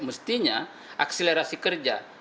artinya akselerasi kerja